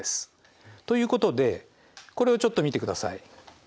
ということでこれをちょっと見てください。